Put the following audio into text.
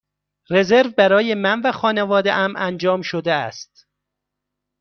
رزرو برای من و خانواده ام انجام شده است.